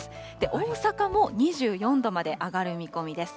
大阪も２４度まで上がる見込みです。